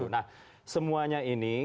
nah semuanya ini